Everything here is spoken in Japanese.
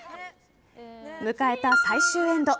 迎えた最終エンド。